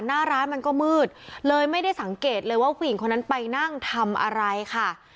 หน้าร้านมันก็มืดเลยไม่ได้สังเกตเลยว่าผู้หญิงคนนั้นไปนั่งทำอะไรค่ะ